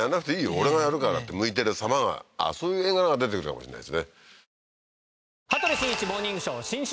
俺がやるからってむいてる様がそういう画が出てくるかもしれないですね